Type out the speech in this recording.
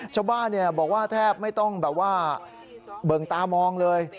ชาวบ้านบอกว่าแทบไม่ต้องแบบว่าเบิ่งตามองเลย